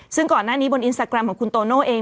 ซึ่งก่อนหน้านี้บนอินสตาแกรมของคุณโตโน่เอง